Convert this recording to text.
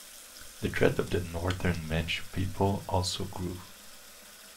The threat of the northern Manchu people also grew.